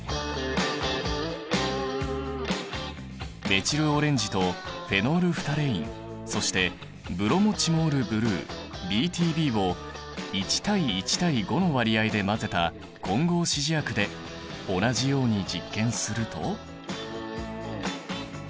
メチルオレンジとフェノールフタレインそしてブロモチモールブルーＢＴＢを１対１対５の割合で混ぜた混合指示薬で同じように実験すると。